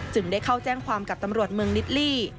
ได้เข้าแจ้งความกับตำรวจเมืองนิดลี่